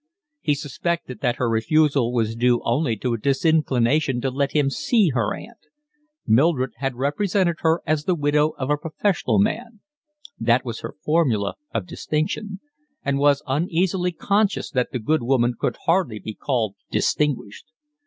He suspected that her refusal was due only to a disinclination to let him see her aunt. Mildred had represented her as the widow of a professional man (that was her formula of distinction), and was uneasily conscious that the good woman could hardly be called distinguished.